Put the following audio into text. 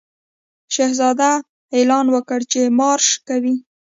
شهزاده اعلان وکړ چې مارش کوي.